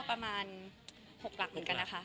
ประมาณ๖หลักเหมือนกันนะคะ